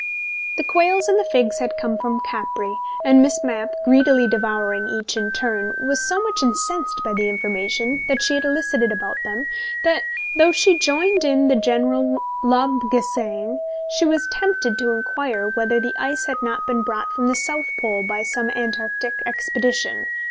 The quails and the figs had come from Capri, and Miss Mapp, greedily devouring each in turn, was so much incensed by the information that she had elicited about them, that, though she joined in the general Lobgesang, she was tempted to inquire whether the ice had not been brought from the South Pole by some Antarctic expedition.